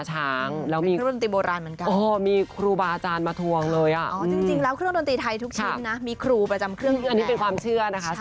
แต่ว่าเราก็ไม่รู้